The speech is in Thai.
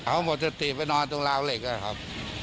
เขาหมดสะติไปนอนตรงราวเด็กเหล้าเหล็ก